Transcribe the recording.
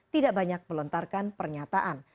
tidak banyak melontarkan pernyataan